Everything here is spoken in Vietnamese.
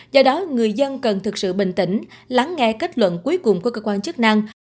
do đó người dân cần thực sự bình tĩnh lắng nghe kết luận cuối cùng của cơ quan chức năng